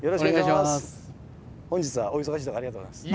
本日はお忙しいところありがとうございます。